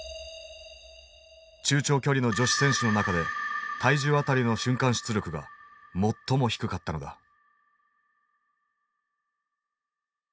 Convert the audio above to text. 中長距離の女子選手の中で体重当たりの瞬間出力が最も低かったのだ。